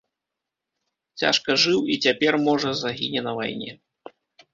Цяжка жыў і цяпер, можа, загіне на вайне.